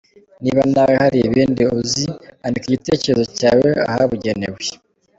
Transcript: Niba nawe hari ibindi uzi, andika igitekerezo cyawe ahabugenewe.